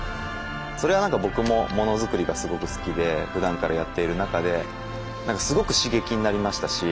それはなんか僕もものづくりがすごく好きでふだんからやっている中ですごく刺激になりましたし。